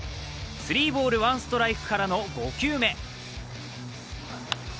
スリーボール・ワンストライクからの５球目。